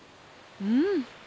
うん。